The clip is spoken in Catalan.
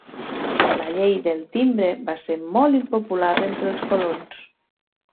La Llei del Timbre va ser molt impopular entre els colons.